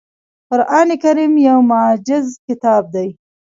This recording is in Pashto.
قرآن کریم یو معجز کتاب دی .